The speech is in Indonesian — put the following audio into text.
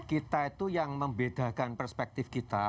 kita itu yang membedakan perspektif kita